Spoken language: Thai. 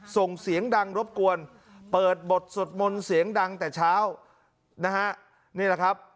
ส่งเสียงดังรบกวนเปิดบทสวดมนต์เสียงดังแต่เช้านะฮะนี่แหละครับ